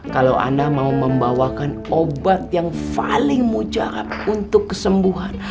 kalau anda mau membawakan obat yang paling mujarab untuk kesembuhan